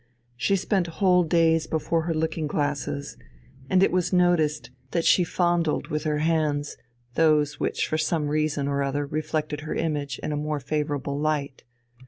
She spent whole days before her looking glasses, and it was noticed that she fondled with her hands those which for some reason or other reflected her image in a more favourable light.